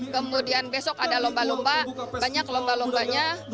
kemudian besok ada lomba lomba banyak lomba lombanya